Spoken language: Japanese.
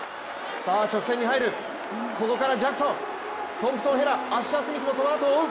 直線に入る、ここからジャクソントンプソン・ヘラ、アッシャースミスもそのあとを追う！